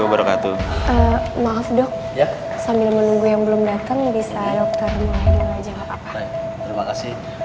wabarakatuh maaf dok sambil menunggu yang belum datang bisa dokter mulai dulu aja gak apa apa